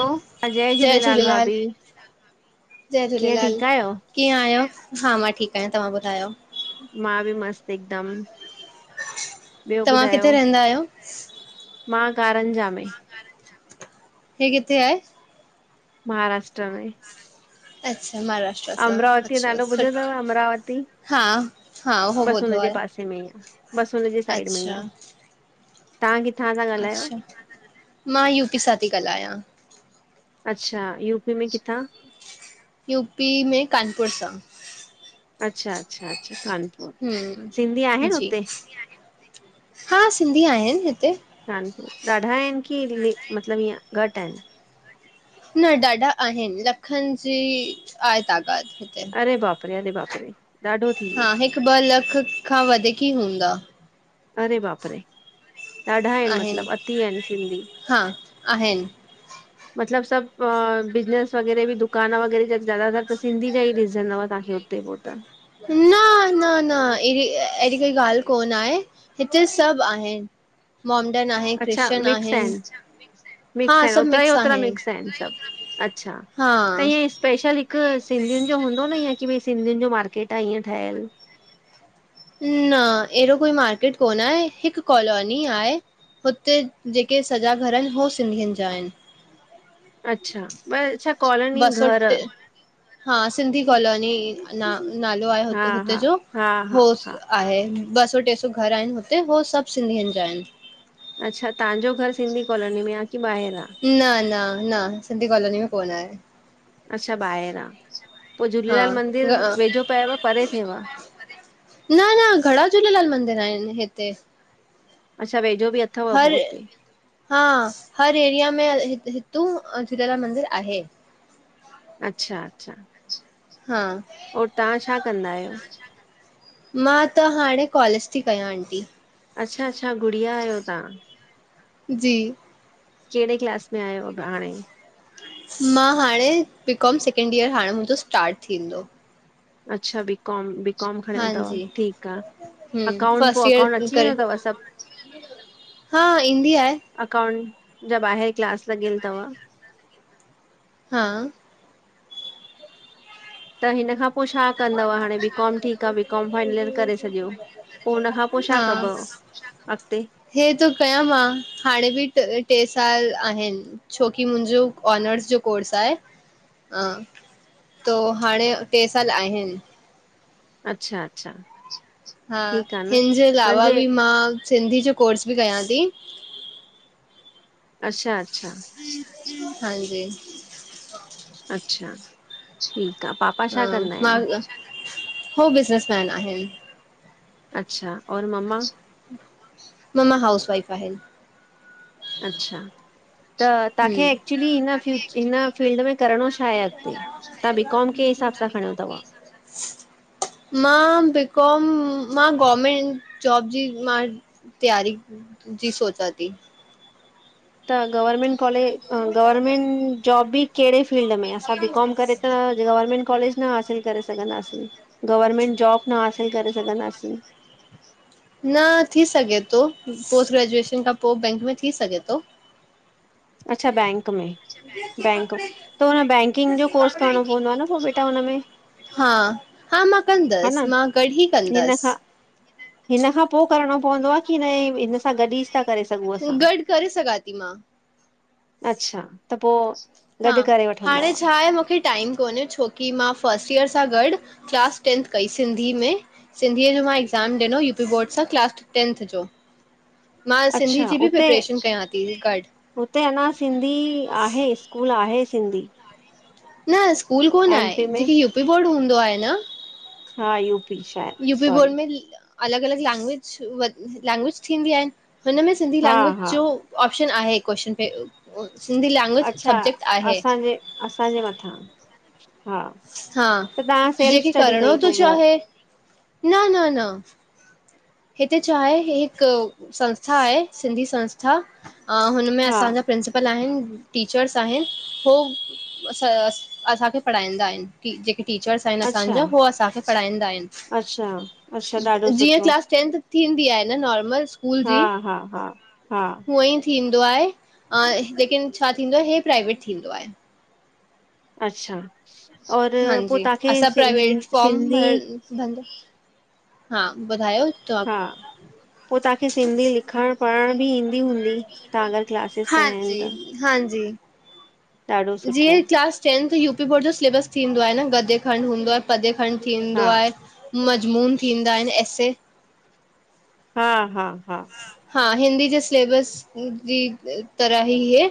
हलो, हा जय झूलेलाल भाभी जय कीअं झूलेलाल, ठीकु आहियो? कीअं आहियो? हा, मां ठीक आहियां तव्हां ॿुधायो? मां बि मस्त हिकदम! ॿियो तव्हां ॿुधायो? किथे रहंदा आहियो? मां कारंजा में ही किथे आहे? महाराष्ट्र में अच्छा महारा अमरावती नालो ॿुधो तव, अमरावती? हा हा उहो बस ॿुधो हुनजे आहे, पासे में ई आ, बस हुनजे साइड में ई अच्छा आ। तां किथां जा? अच्छा, मां यू पी सां थी ॻाल्हायां। अच्छा, यू पी में किथां? यू पी में, कानपुर सां। अच्छा, अच्छा, अच्छा कानपु हम्म जी, हा सिंधी आहिनि हिते कानपुर, ॾाढा आहिनि की मतिलब हीअं घट आहिनि? न ॾाढा आहिनि, लखनि जी आहे तादाद हुते। अरे बापरे, अरे बापरे, ॾाढो थी हा, वियो हिक ॿ लख खां वधीक ही हूंदा। अरे बाप रे! ॾाढा आहिनि मतलब अति आहिनि सिंधी हा आहिनि, [inaudible] मतलब सभ, बिज़नस वग़ैरह बि दुकान वग़ैरह बि ज़्यादातर त सिंधी जा ही ॾिसंदव तव्हांखे टे पोटा न न न अहिड़ी अहिड़ी काई ॻाल्हि कोन आहे, हिते सभु आहिनि। मॉम्डन आहे, अच्छा क्रिश्चन मिक्स आहिनि। मिक्स हा आहिनि, सभु ओतिरा ई मिक्स ओतिरा मिक्स आहिनि सब। अच्छा, त हा। हीअं स्पेशल हिक सिंधियुनि जो हूंदो न ईअं की भई सिंधियुनि जो मार्केट आ ईअं ठहियलु? न ऐहड़ो कोई मार्केट कोन आहे। हिक कॉलोनी आहे हुते जेके सॼा घर आहिनि हो सिंधियुनि जा आहिनि। अच्छा ॿ कॉलोनी ॿ सौ घर ट हा सिंधी कॉलोनी ना नालो आहे हा हुते-हुते हा जोो हा हा होस हा आहे ॿ सौ टे सौ घर आहिनि हुते हुव सभ सिंधियुनि जा आहिनि। अच्छा तव्हांजो घर सिंधी कॉलोनी में आ की ॿाहिरि आ? न न न सिंधी कॉलोनी में कोन आहे। अच्छा ॿाहिरि आ। पो हा झूलेलाल मंदिर वेझो पियव परे थियव? न न घणा झूलेलाल मंदिर आहिनि हिते। अच्छा वेझो बि अ हर हा, हर एरिया में हित हितु झूलेलाल मंदिर आहे। अच्छा अच्छा हा ओर तव्हां छा कंदा आहियो? मां त हाणे कॉलेज थी कयां आंटी। अच्छा अच्छा गुड़िया आहियो तांह। जी कहिड़े क्लास में आयो हाणे? मां हाणे बीकॉम सैकेंड ईयर हाणे मुंहिंजो स्टार्ट थींदो। अच्छा बीकॉम बीकॉम खणियो तव हांजी ठीकु आ। हम अकाउंट फस्ट पो अकाउंट ईयर अची करे वेंदो तव सभ? हा इंडिया आहे। अकाउंट जा ॿाहिरि क्लास लॻियल तव? हा त हिन खां पो शा कंदव हाणे बीकॉम ठीकु आ बीकॉम फाइनलर करे छॾियो पो हुन खां पो शा हा कबव? अॻिते हे त कांया मां हाणे बि ट टे साल आहिनि। छोकी मुंहिंजो ऑनर्स जो कोर्स आहे त हाणे टे साल आहिनि। अच्छा अच्छा हा ठीकु आहे न हिनजे अलावा मुंहिंजे बि मां सिंधी जो कोर्स बि कयां ती। अच्छा अच्छा हांजी अच्छा ठीकु आ। पापा हा छा कंदा मां आहिनि? हो बिज़नसमैन आहिन। अच्छा और मम्मा? मम्मा हाउस वईफ आहे। अच्छा त तव्हांखे हम्म एक्चुली हिन फ्यू हिन फीिल्ड में करिणो छा आहे अॻिते? तव्हां बी काॅम कंही ही हिसाब सां खणयो तव? [inaudible] मां बीकॉम मां गवर्मेंट जॉब जी मां तैयारी जी सोचा थी। त गवर्नमेंट कॉलेज गवर्नमेंट जॉब बि कहिड़े फील्ड में असां बी कॉम करे त गवर्नमेंट कॉलेज न हासिल करे सघंदासीं, गवर्मेंट जॉब न हासिल करे सघंदासीं। न थी सघे थो। पोस्ट ग्रेजुएशन खां पो बैंक में थी सघे थो। अच्छा बैंक में। बैंक त हुन बैंकिंग जो कोर्स करणो पवंदो आहे न पो बेटा हुन में। हा हा मां कंदसि मां गॾु ही हिन कंदसि। खां हिन खां पो करणो पवंदो आ कि न हिन सां गॾु ही था करे सघूं असां? गॾु करे सघा थी मां। अच्छा त पो हा गॾु करे वठंदा हाणे हुआ। छा आहे मूंखे टाइम कोन्हे छोकी मां फस्ट ईयर सां गॾु क्लास टेंथ कई सिंधी में। सिंधीअ जो मां एक्ज़ाम ॾिनो यू पी बोर्ड सां क्लास टेंथ जो। मां सिंधी अच्छा जी बि उते प्रिपरेशन कयां थी गॾु। हुते अञा सिंधी आहे स्कूल आहे सिंधी। न स्कूल कोन आहे एमपी में जेके यू पी बोर्ड हूंदो आहे न। हा यू। यू पी बोर्ड में अलॻि-अलॻि लैंग्विज लैंग्वेज थींदी आहे हुनमें सिंधी हा लैंग्वेज हा जो ऑप्शन आहे क्वेशन पे सिंधी लैंग्वेज अच्छा सब्जेक्ट आहे। असांजे असांजे मथां। हा हा त तव्हां सेल्फ जेकी स्टडी करणो कई तो पोइ घर चाहे। न न न हिते छा आहे हिकु संस्था आहे, सिंधी संस्था उन मे हा असांजा प्रिंसिपल प्रिंसिपल आहिन, टीचर्स आहिन हो असांखे पढ़ाईंदा आहिन। जेके टीचर्स आहिन अच्छा असांजा हो असांखे पढ़ाईंदा आहिन। अच्छा अच्छा ॾाढो जीअं सुठो क्लास टेंथ थींदी आहे न नॉर्मल स्कूल हा जी हा हा हा हुअ। थींदो आहे लेकिन छा थींदो आहे हे प्राइवेट थींदो आहे। अच्छा और पो हांजी तव्हांखे असां प्राइवेट हि फॉर्म सिंधी। भर हा बुधायो। हा पो तव्हांखे सिंधी लिखणु पढ़ण बि ईंदी हूंदी? तव्हां अगर क्लासेस कया आहिन त। हांजी हांजी। ॾाढो सुठो जीअं class tenth U P board जो सिलेबस थींदो आहे न पदे खंड हूंदो आ। पदे खंड थींदो हा आहे मजमून थींदा आहिन ऐसे हा हा हा हा, हिंदी जे सिलेबस जी तरा ई है।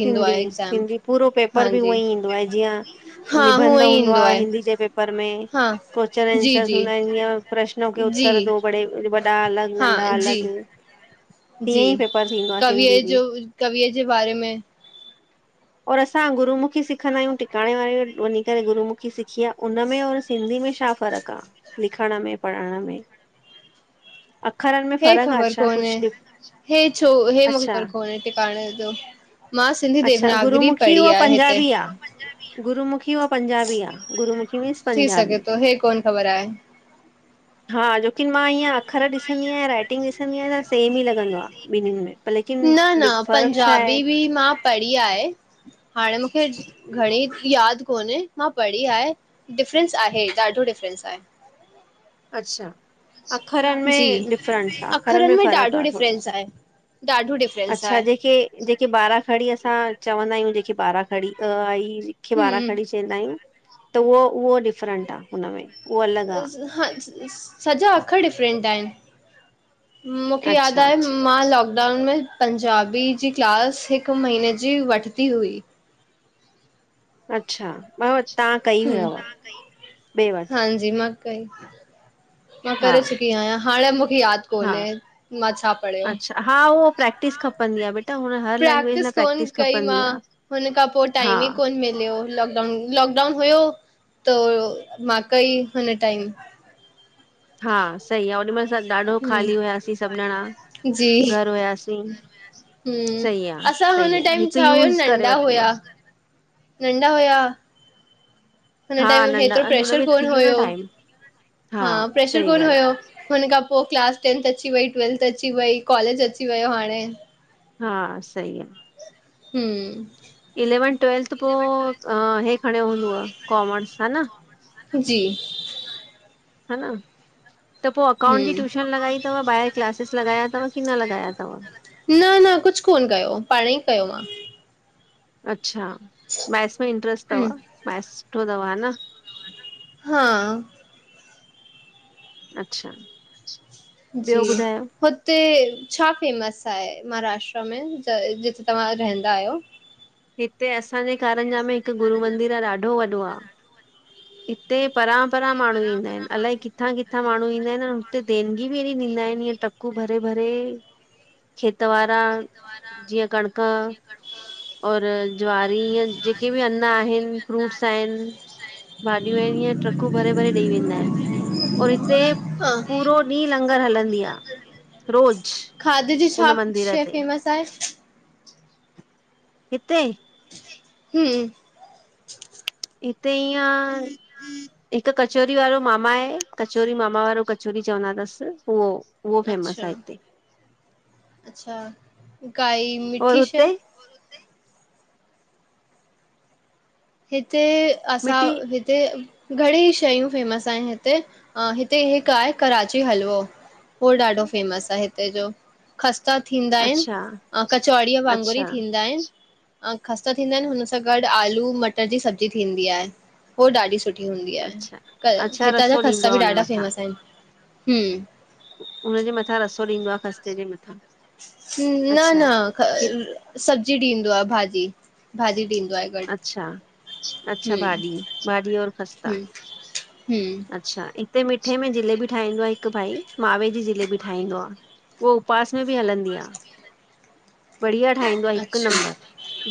सिंधी सिंधी पूरो पेपर बि हांजी उअई ईंदो आहे जीअं। हा हूअं निबंध ई हूंदो ईंदो आहे हिंदी जे पेपर में, हा को्वश्चन जी आनसर्स जी हूंदा आहिन। जीअं पश्नो के जी उत्तर दो। बड़े वॾा अलग हा नंढा जी अलग। जी कविअ जो कविअ जे बारे में। और असां गुरुमुखी सिखंदा आहियूं टिकाणे वारेि वञी करे गुरुमुखी सिखी आ उनमें और सिंधी में शा? फ़र्क़ु आ लिखण में पढ़ण में। अखरनि में हे फ़र्क़ु आहे ख़बर छा कोन्हे कुझु डि हे छो हे मुंखे अच्छा ख़बर कोन्हे टिकाणे जो। मां सिंधी अच्छा देवनागरी पढ़ी आहे हिते। गुरमुखी अऊं पजाबी आहे गुरू मुखी थी सघे थो हे कोन ख़बर आहे। हा जो कि न मां इअं अख़र ॾिसंदी आहियां राइटिंग ॾिसंदी आहियां त सेम ई लॻंदो आहे। ॿिन्हिनि में लकिन फ़र्क़ छा आहे? ॿी मां [unintelligible] पढ़ी आहे, हाणे मूंखे घणी यादि कोन्हे मां पढ़ी आहे। डिफरेंस आहे ॾाढो डिफरेंस आहे अच्छा अखरनि जी, में डिफरेंस आ अखरनि में फ़र्क़ु ॾाढो आ थोड़ो डिफरेंस सो आहे। ॾाढो डिफरेंस आहे। जें खे ॿारह खड़ी असां चवंदा आहियूं जें खे ॿारह खड़ी आई बारह हम्म खणी चवंदा आहियूं, त उहो- उहो डिफरेंट आहे हुनमें उहो अलॻि आ ह सॼा अख़र डिफरेंट आहिनि मूंखे यादि अच्छा आहे, अच्छा मां लॉग लॉकडाउन में पंजाबी जी क्लास हिक महीने जी वठिती हुई। अच्छा अ तव्हां कई हुयव ॾे -वठि दीदी मां कई, मां हा करे चुकी आहियां हाणे मूंखे यादि हा कोन्हें, मां छा पढ़ियो? अच्छा हा उहो प्रैक्टिस खपंदी आहे। प्रैक्टिस कोन कई मां, आ हुन खां पोइ हा टाइमु ई कोन मिलियो लो लॉकडाउन हुयो, त मां कई हुन टाइमु हा सही आह, ओॾी महिल असां ॾाढो ख़ाली हम्म हुआसीं सभु ॼणा घर हुयासीं, सही ह्म आ असां हुन सही आ टाइम हिकु छा आहे, हुयो यूज़ करे नंढा वरितो आ हुया नंढा हुया हुन हा टाइम नंढा हेतिरो प्रेशर हुनखे कोन थी वियो न हुयो, टाइम हा प्रेशर सही कोन ॻाल्हि आ हुयो हुन खां पोइ क्लास टेंथ अची वई, ट्वेल्थ अची वई, कॉलेज अची वियो हाणे हा सई आहे हम्म् इलेवं ट्वेल्थ पोइ, हे खणियो हूंदव कॉमर्स हा न जी [unintelligible] हा न, त पोइ अकाउंट जी हम्म ट्यूशन लॻाई त ॿाहिरि क्लासिस लॻाया अथव, की न लॻाया अथव न न कुझु कोन्ह कयो, पाण ई कयो मां अच्छा मैथ्स में इंट्रस्ट हम अथव, मैथ्स सुठो अथव हा न हां अच्छा जी ॿियो ख़द् ॿुधायो [unintelligible] हुते छा फेमस आहे महाराष्ट्र में, जिते तव्हां रहंदा आहियो? हिते असांजे कारंजा में हिकु गुरू मंदिर आहे, ॾाढो वॾो आह हिते परां- परां माण्हू ईंदा आहिनि अलाए किथां किथे थां माण्हू ईंदा आहिनि हुते देनगी बि हेॾी ॾींदा आहिनि इअं टकूं भरे- भरे खेेत वारा जीअं कणिक और ज्वारी ईअं, जेके बि अन आहिनि फ्रूट्स आहिनि भाॼियूं ईअं ट्रकूं भरे- भरे ॾेई वेंदा आहिनि। और हिते हा पूरो ॾींहुं लंगर हलंदी आ। रोज खाधे जी हुन शा मंदिर शै ते फेमस आहे? हिते? हम हिते ईअं आ हिकु कचोरी वारो मामा आहे कचोरी मामा वारो कचोरी चवंदा तसि उहो। उहो फेमस अच्छा आहे हिते अच्छा काई और मिठी शइ? हुते हिते असां मिटी हिते घणेई शयूं फेमस आहिनि हिते। ह हिते हिकु आहे कराची हलवो होो ॾाढो फेमस आ हिते जो। खस्ता थींदा आहिनि। अच्छा ऐं कचौड़ीअ वांगुरु ई अच्छा थींदा आहिनि अ खस्ता थींदा आहिनि हुन सां गॾु आलू मटर जी सब्जी थींदी आहे हो ॾाढी सुठी सुठी हूंदी अच्छा आहे अच्छा हितां जा रसो ॾींदो खसा आ बि हुनजे ॾाढा मथां फेमस आहिनि। हुनजे मथां रसो ॾींदो आ ख़स्ते जे मथां। न न अच्छा हि- सब्जी ॾींदो आ भाॼी, भाॼी ॾींदो आहे। गॾु अच्छा अच्छा हम्म भाॼी, भाॼी और खस्ता। हम्म हम्म अ्छा हिते मिठे में जिलेबी ठाहींदो आ हिकु भाई मावे जी जिलेबी ठाहींदो आ। उहा उपवास में बि हलंदी आ। बढ़िया ठाहींदो आ हिकु अच्छा नंबर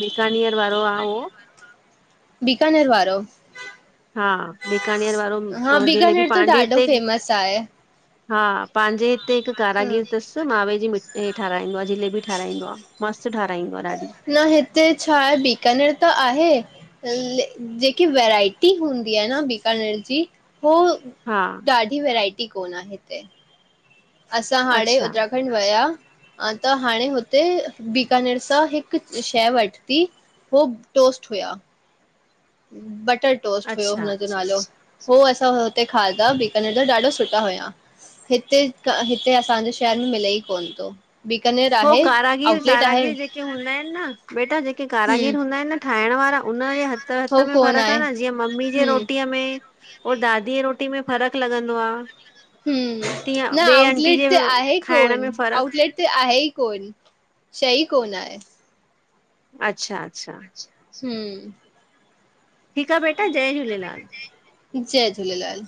बीकानियर वारो आ उहो बीकाानर वारो? हा बिकानेर वारो हा जलेबी बीकानेर त पंहिंजे ॾाढो हिते फेमस आहे हा पांहिंजे हिते हिकु ह कारागर तस त माावे जी मिठ ठाराहींदो आ जिलेबी ठाराहींदो आ मस्तु ठाराींदो आ ॾाढी। न हिते छा हे बीकानेर त आहे जेकी वैरायटी हूंदी आ न बीकानर जी हो हा ॾाढी वेरायटी कोन आ हिते। असां हाणे अच्छा उत्तराखंड विया त हाणे हुते बीकानेर सां हिकु शइ वरिती हो टोस्ट हुया, बटर टोस्ट हुयो अच्छा हुनजो अच्छा नालो हो असां हुते खाधा बीकानेर जा ॾाढा सुठा हुया। हिते हिते असांजे शहर में मिले ई कोन थो। बीकानेर हो आहे कारागीर आउटलेट आहे कारागीर जेके हूंदा आहिनि न, बेटा जेके हम कारागर हूंदा आहिनि न ठाहिण वारा उनजे हथ हथ हो में कोन फ़र्क़ु आ आहे न जीअं मम्मी जे हम रोटीअ में और दादीअ रोटी में फ़र्क़ु लॻंदो आ हम्म, न आउटलेट त आहे खाइण कोन में फ़र्क़ु आऊटलेट ते आहे ही कोन, शही कोन आहे। अच्छा, अच्छा हम्म ठीकु आ बेटा जय झूलेलाल। जय झूलेलाल